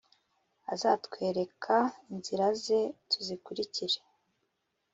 Azatwereka inzira ze, tuzikurikire.»